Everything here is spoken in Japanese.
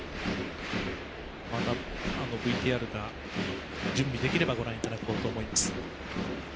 またＶＴＲが準備できればご覧いただこうと思います。